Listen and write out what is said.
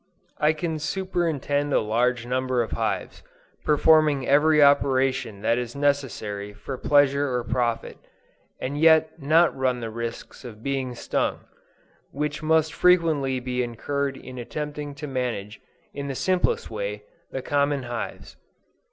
I can superintend a large number of hives, performing every operation that is necessary for pleasure or profit, and yet not run the risks of being stung, which must frequently be incurred in attempting to manage, in the simplest way, the common hives.